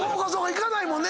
いかないもんね！